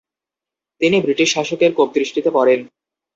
তিনি বৃটিশ শাসকের কোপদৃষ্টিতে পড়েন।